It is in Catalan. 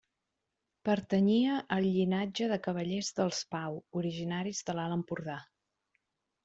Pertanyia al llinatge de cavallers dels Pau, originaris de l'Alt Empordà.